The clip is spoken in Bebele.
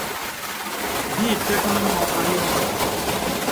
Bì tək mìmɔ a yɔ̄ɔ̄.